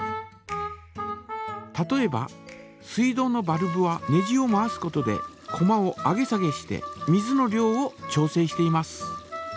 例えば水道のバルブはネジを回すことでこまを上げ下げして水の量を調整しています。